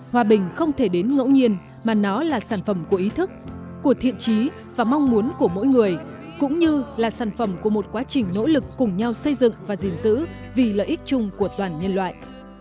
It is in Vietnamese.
hòa bình không thể đến ngẫu nhiên mà nó là sản phẩm của ý thức của thiện trí và mong muốn của mỗi người cũng như là sản phẩm của một quá trình nỗ lực cùng nhau xây dựng và gìn giữ vì lợi ích chung của toàn nhân loại